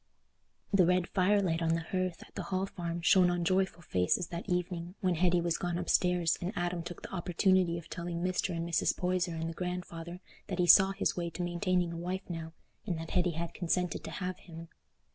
The red fire light on the hearth at the Hall Farm shone on joyful faces that evening, when Hetty was gone upstairs and Adam took the opportunity of telling Mr. and Mrs. Poyser and the grandfather that he saw his way to maintaining a wife now, and that Hetty had consented to have him.